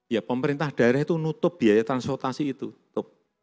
ya pemerintah daerah itu nutup biaya transportasi tutup